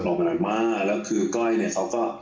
มานานมากแล้วคือก้อยเนี่ยเขาก็